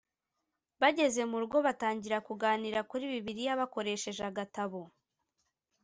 bageze mu rugo batangira kuganira kuri bibiliya bakoresheje agatabo